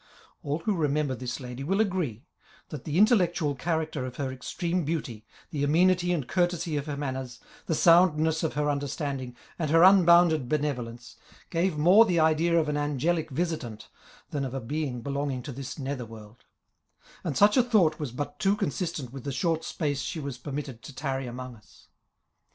All who remember this lady will agree, that the intellectual character of her extreme beauty, the amenity and courtesy of her manners, the soundness of her understanding, and her unbounded benevolence, gave more the idea of an angelic visitant, than of a being belonging to this nether world ; and such a thought was but too consistent with the short space she was per nu'tted to tarry among us.